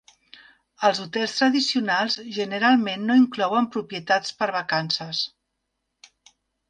Els hotels tradicionals generalment no inclouen propietats per vacances.